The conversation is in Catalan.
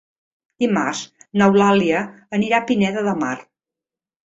Dimarts n'Eulàlia anirà a Pineda de Mar.